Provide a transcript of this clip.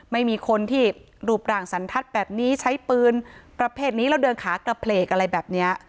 ไม่มีคนที่รูปร่างสันทัศน์แบบนี้ใช้ปืนประเภทนี้แล้วเดินขากระเพลกอะไรแบบนี้